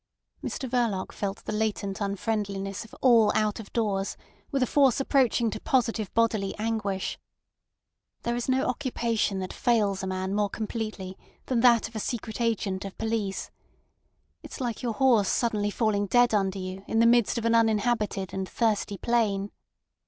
Mr Verloc felt the latent unfriendliness of all out of doors with a force approaching to positive bodily anguish. There is no occupation that fails a man more completely than that of a secret agent of police. It's like your horse suddenly falling dead under you in the midst of an uninhabited and thirsty plain.